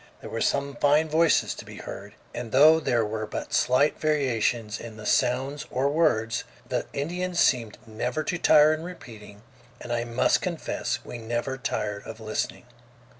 There were some fine voices to be heard, and though there were but slight variations in the sounds or words, the Indians seemed never to tire in repeating, and I must confess we never tired of listening.